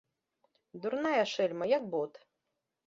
Дурная шэльма, як бот.